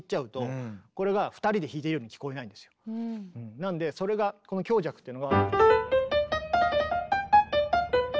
なのでそれがこの強弱っていうのが。